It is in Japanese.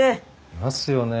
いますよね。